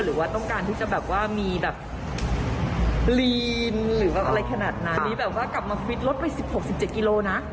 หรือว่าต้องการที่จะแบบว่ามีแบบลีนหรือแบบอะไรขนาดนั้นมีแบบว่ากลับมาฟิตรถไปสิบหกสิบเจ็ดกิโลนะ